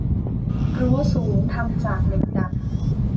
รั้วสูงทำจากเหล็กดัด